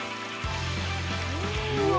うわ。